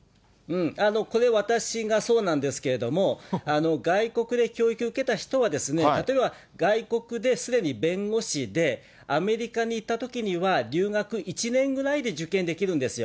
これ、私がそうなんですけども、外国で教育受けた人は、例えば、外国ですでに弁護士で、アメリカに行ったときには、留学１年ぐらいで受験できるんですよ。